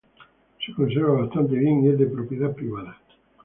Se conserva bastante bien, y es de propiedad privada.